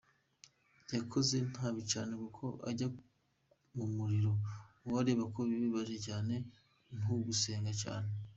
Wakoze ntabicyane kuko kujya Mumuriro uwureba koko birabaje cyane ntugusenga cyane.